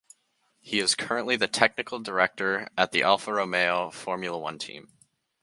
He is currently the technical director at the Alfa Romeo Formula One team.